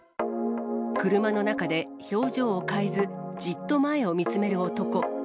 車の中で、表情を変えず、じっと前を見つめる男。